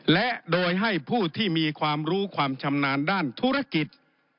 และโดยให้ผู้ที่มีความรู้ความชำนาญด้านธุรกิจ